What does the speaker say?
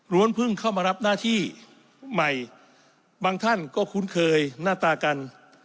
เพิ่งเข้ามารับหน้าที่ใหม่บางท่านก็คุ้นเคยหน้าตากัน